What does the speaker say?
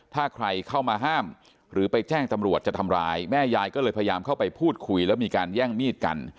ถ้าใครเข้ามาห้ามหรือไปแจ้งตำรวจจะทำร้ายแม่ยายก็เลยพยายามเข้าไปพูดคุยแล้วมีการแย่งมีดกัน